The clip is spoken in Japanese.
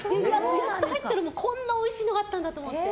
入ったらこんなおいしいのがあったんだと思って。